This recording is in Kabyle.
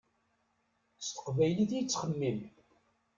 S teqbaylit i yettxemmim.